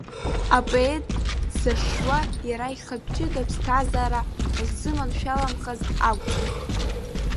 Апоет дзашшуа иара ихатә ҷыда ԥсҭазаара ахьзыманшәаламхаз акәӡам.